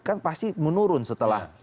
kan pasti menurun setelah